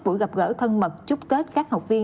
buổi gặp gỡ thân mật chúc tết các học viên